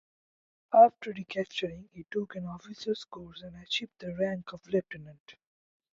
After recuperating, he took an officer's course and achieved the rank of "Leutnant".